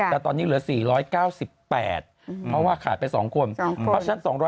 แต่ตอนนี้เหลือ๔๙๘เพราะว่าขาดไป๒คน